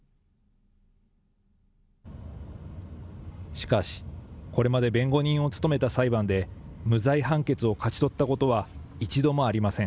しかし、これまで弁護人を務めた裁判で、無罪判決を勝ち取ったことは一度もありません。